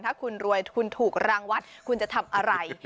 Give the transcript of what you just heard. ถ้าคุณรวยคุณถูกรางวัลคุณจะทำอะไร